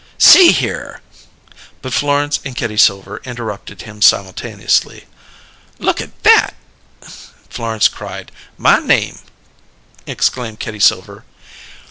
"See here " But Florence and Kitty Silver interrupted him simultaneously. "Look at that!" Florence cried. "My name!" exclaimed Kitty Silver.